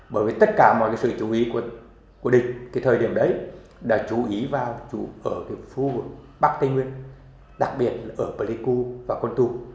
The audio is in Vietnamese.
bởi vì tất cả mọi sự chú ý của địch cái thời điểm đấy đã chú ý vào chủ ở phố bắc tây nguyên đặc biệt là ở bờ lê cưu và quân tu